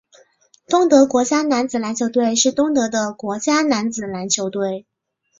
东德国家男子篮球队是东德的国家男子篮球队。